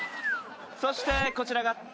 そしてこちらが。